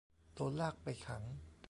โดนลากไปขัง